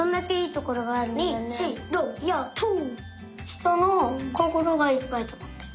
ひとのこころがいっぱいつまってる。